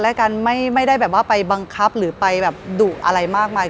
และกันไม่ได้แบบว่าไปบังคับหรือไปแบบดุอะไรมากมาย